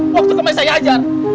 waktu kemarin saya ajar